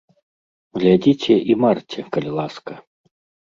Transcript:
Глядзіце і марце, калі ласка.